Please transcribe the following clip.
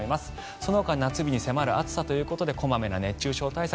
そのほか夏日に迫る暑さということで小まめな熱中症対策